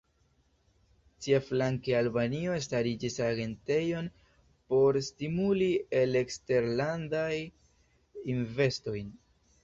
Siaflanke, Albanio starigis agentejon por stimuli eleksterlandajn investojn.